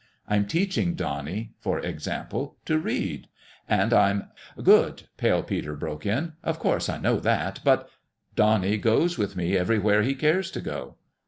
I'm teaching Donnie, for example, to read ; and I'm "" Good !" Pale Peter broke in. " Of course, I know that. But "" Donnie goes with me everywhere he cares to go."